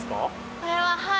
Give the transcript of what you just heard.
これははい。